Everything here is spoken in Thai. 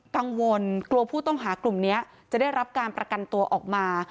กังวลกลัวผู้ต้องหากลุ่มนี้จะได้รับการประกันตัวออกมา